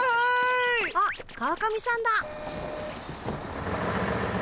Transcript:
あっ川上さんだ。